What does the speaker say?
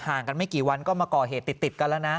กันไม่กี่วันก็มาก่อเหตุติดกันแล้วนะ